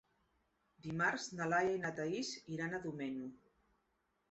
Dimarts na Laia i na Thaís iran a Domenyo.